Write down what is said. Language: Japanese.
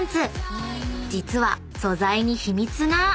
［実は素材に秘密が］